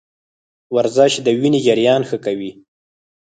ورزش د وینې جریان ښه کوي.